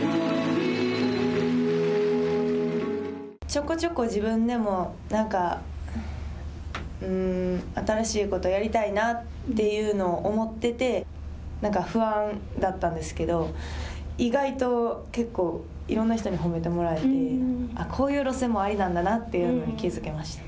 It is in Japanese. ちょこちょこ自分でもなんか、新しいことをやりたいなっていうのを思ってて不安だったんですけど意外と結構、いろんな人に褒めてもらえてこういう路線もありなんだというのに気付けました。